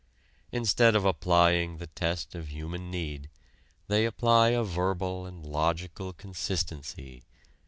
Instead of applying the test of human need, they apply a verbal and logical consistency.